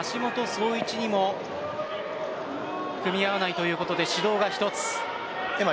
壮市にも組み合わないということで指導が１つ。